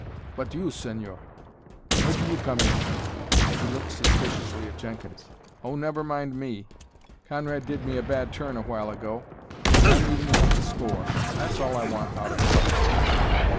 "But you, señor, where do you come in?" He looked suspiciously at Jenkins. "Oh, never mind me. Conrad did me a bad turn a while ago, and I'm evening up the score. That's all I want out of it."